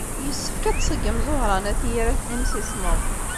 Yessefk ad tṣeggem Ẓuhṛa n At Yiraten imsismeḍ.